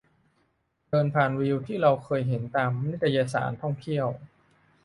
เดินผ่านวิวที่เราเคยเห็นตามนิตยสารท่องเที่ยว